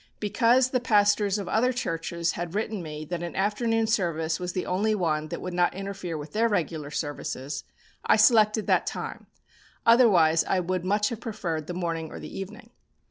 Because the pastors of other churches had written me that an afternoon service was the only one that would not interfere with their regular services, I selected that time, otherwise I would much have preferred the morning or the evening.